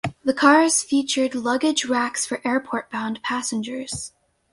The cars featured luggage racks for airport-bound passengers.